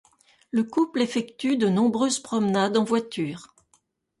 Le couple effectue de nombreuses promenades en voiture.